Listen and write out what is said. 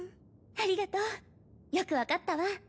ありがとう。よく分かったわ。